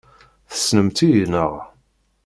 Tessnemt-iyi, naɣ?